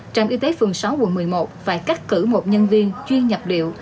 trạm y tế phường sáu quận một mươi một phải cách cử một nhân viên chuyên nhập điệu